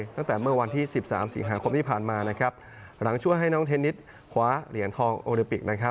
ตั้งแต่เมื่อวันที่๑๓สิงหาคมที่ผ่านมาหลังช่วยให้น้องเทนนิสคว้าเหรียญทองโอลิปิก